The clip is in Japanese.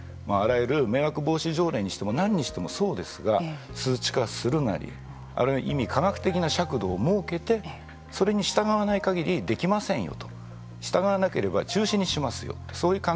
あらゆる迷惑防止条例にしても何にしてもそうですが数値化するなりあるいは科学的な尺度を設けてそれに従わないかぎりできませんよと従わなければ中止にしますよ。